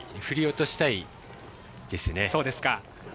振り落としたいですね。